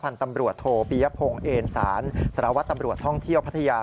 พันธ์ตำรวจโทปียพงศ์เอ็นสารสารวัตรตำรวจท่องเที่ยวพัทยา